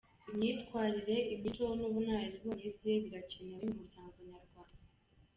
Imyitwarire, imico n’ubunararibonye bye birakenewe mu muryango Nyarwanda”.